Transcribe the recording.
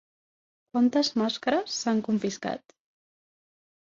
Quantes màscares s'han confiscat?